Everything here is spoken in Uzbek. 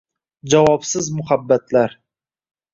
javobsiz muhabbatlar